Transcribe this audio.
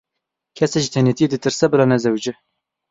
Kesê ji tenêtiyê ditirse, bila nezewice.